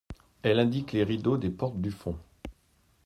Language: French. Elle indique les rideaux des portes du fond.